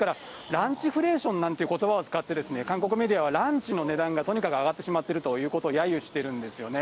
ランチフレーションなんてことばを使って、韓国メディアは、ランチの値段がとにかく上がってしまってるということをやゆしてるんですよね。